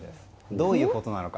どういうことなのか。